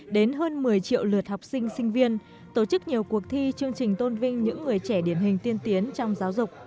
đến hơn một mươi triệu lượt học sinh sinh viên tổ chức nhiều cuộc thi chương trình tôn vinh những người trẻ điển hình tiên tiến trong giáo dục